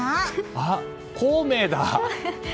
あ、孔明だ！